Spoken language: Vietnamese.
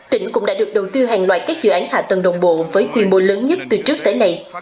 tỉnh cũng đã được đầu tư hàng loạt các dự án hạ tầng đồng bộ với quy mô lớn nhất từ trước tới nay